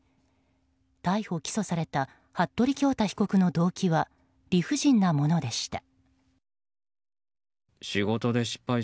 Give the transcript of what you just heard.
逮捕・起訴された服部恭太被告の動機は理不尽なものでした。